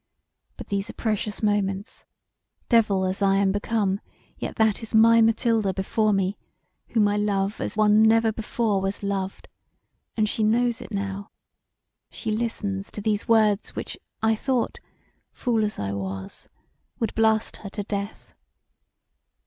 But these are precious moments; devil as I am become, yet that is my Mathilda before me whom I love as one was never before loved: and she knows it now; she listens to these words which I thought, fool as I was, would blast her to death.